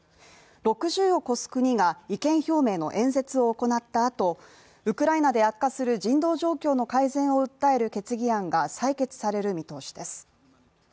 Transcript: ６０を超す国が意見表明の演説を行ったあと、ウクライナで悪化する人道状況の改善を訴える決議案が採決される見通しです。